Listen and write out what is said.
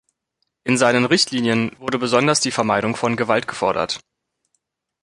In seinen Richtlinien wurde besonders die Vermeidung von Gewalt gefordert.